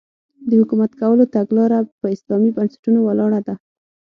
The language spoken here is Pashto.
د حکومت کولو تګلاره په اسلامي بنسټونو ولاړه ده.